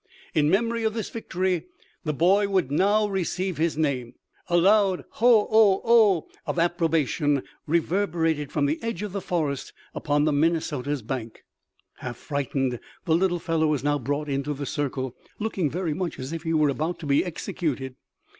In memory of this victory, the boy would now receive his name. A loud "Ho o o" of approbation reverberated from the edge of the forest upon the Minnesota's bank. Half frightened, the little fellow was now brought into the circle, looking very much as if he were about to be executed.